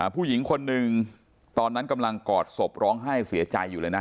ผู้หญิงคนหนึ่งตอนนั้นกำลังกอดศพร้องไห้เสียใจอยู่เลยนะ